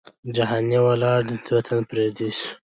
جهاني ولاړې وطن پردی سو